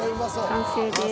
完成です。